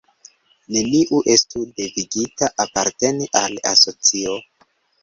Neniu estu devigita aparteni al asocio.